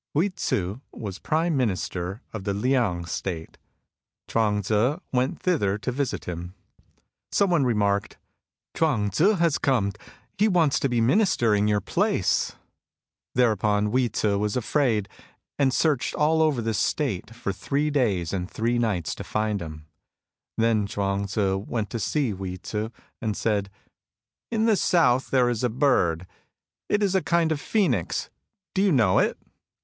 Hui Tzu was prime minister in the Liang State. Chuang Tzu went thither to visit him. Some one remarked :'^ Chuang Tzu has come. He wants to be minister in your place." 109 110 MUSINGS OF A CHINESE MYSTIC Thereupon Hui Tzu was afraid, and searched all over the State for three days and three nights to find him. Then Chuang Tzu went to see Hui Tzu and fiaid : ''In the south there is a bird. It is a kind of phoenix. Do you know it